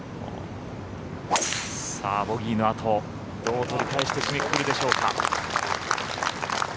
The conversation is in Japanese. さあ、ボギーのあとどう取り返して締めくくるでしょうか。